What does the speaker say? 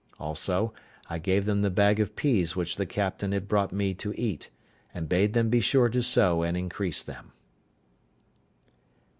Also, I gave them the bag of peas which the captain had brought me to eat, and bade them be sure to sow and increase them.